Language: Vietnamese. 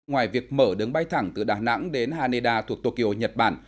ngoài việc mở đường bay thẳng từ đà nẵng đến haneda thuộc tokyo nhật bản